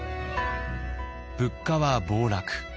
物価は暴落。